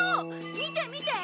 見て見て！